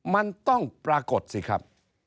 มันต้องปรากฏสิครับ